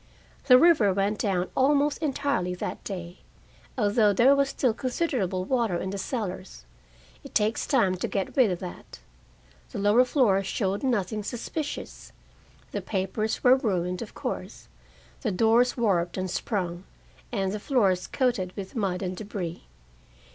The river went down almost entirely that day, although there was still considerable water in the cellars. It takes time to get rid of that. The lower floors showed nothing suspicious. The papers were ruined, of course, the doors warped and sprung, and the floors coated with mud and debris.